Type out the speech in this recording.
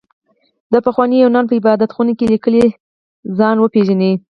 د پخواني يونان په عبادت خونه کې ليکلي ځان وپېژنئ.